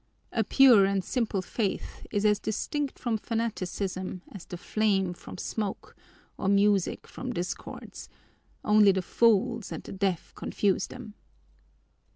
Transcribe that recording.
A pure and simple faith is as distinct from fanaticism as the flame from smoke or music from discords: only the fools and the deaf confuse them.